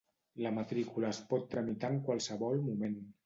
La matrícula es pot tramitar en qualsevol moment.